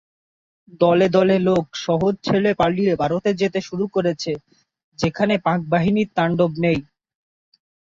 দলে দলে লোক শহর ছেড়ে পালিয়ে ভারতে যেতে শুরু করেছে, যেখানে পাকবাহিনীর তাণ্ডব নেই।